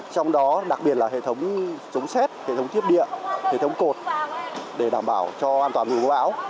trong đó đặc biệt là hệ thống sống xét hệ thống thiết điện hệ thống cột để đảm bảo cho an toàn người của bão